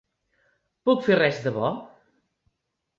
Puc fer res de bo?